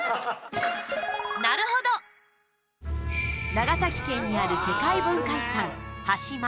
長崎県にある世界文化遺産端島。